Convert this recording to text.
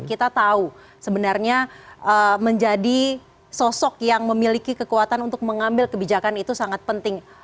kita tahu sebenarnya menjadi sosok yang memiliki kekuatan untuk mengambil kebijakan itu sangat penting